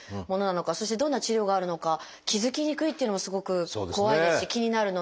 そしてどんな治療があるのか気付きにくいっていうのもすごく怖いですし気になるので。